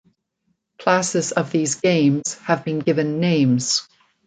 Classes of these games have been given names.